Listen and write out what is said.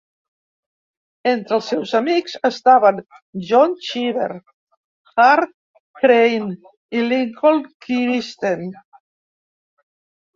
Entre els seus amics estaven John Cheever, Hart Crane i Lincoln Kirstein.